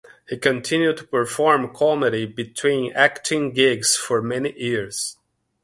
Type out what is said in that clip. He continued to perform comedy between acting gigs for many years.